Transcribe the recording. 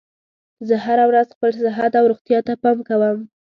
زه هره ورځ خپل صحت او روغتیا ته پام کوم